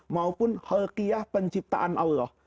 maupun hulukiah penciptaan allah